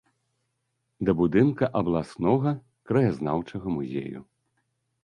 Да будынка абласнога краязнаўчага музею.